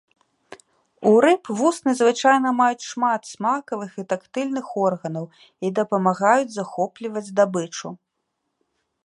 У рыб вусны звычайна маюць шмат смакавых і тактыльных органаў і дапамагаюць захопліваць здабычу.